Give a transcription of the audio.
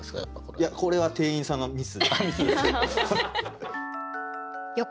いやこれは店員さんのミス。